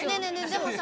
でもさ。